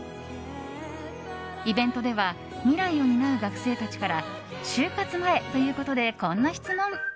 イベントでは未来を担う学生たちから就活前ということでこんな質問。